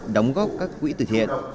đóng góp các quỹ từ thiện